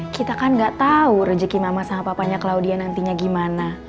kita kan gak tahu rezeki mama sama papanya claudia nantinya gimana